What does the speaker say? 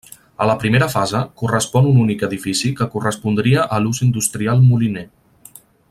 A la primera fase correspon un únic edifici que correspondria a l’ús industrial moliner.